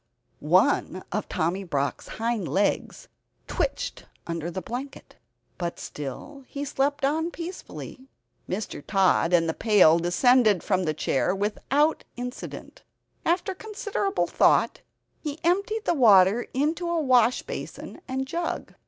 One of Tommy Brock's hind legs twitched under the blanket, but still he slept on peacefully. Mr. Tod and the pail descended from the chair without accident. After considerable thought, he emptied the water into a wash basin and jug.